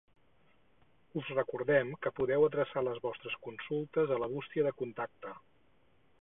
Us recordem que podeu adreçar les vostres consultes a la bústia de contacte.